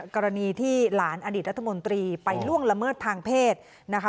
กรณีที่หลานอดีตรัฐมนตรีไปล่วงละเมิดทางเพศนะคะ